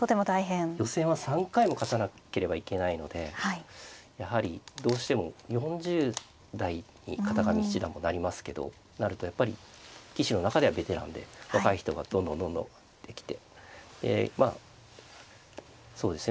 予選は３回も勝たなければいけないのでやはりどうしても４０代に片上七段もなりますけどなるとやっぱり棋士の中ではベテランで若い人がどんどんどんどん出てきてまあそうですね